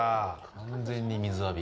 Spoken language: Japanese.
完全に水浴び。